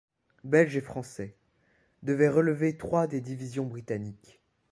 Belges et Français devaient relever trois des divisions britanniques.